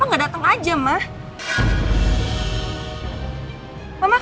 ma nggak tahu itu penting buat aku lah